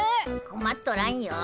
こまっとらんよ。